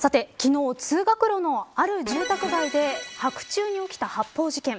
さて昨日、通学路のある住宅街で白昼に起きた発砲事件。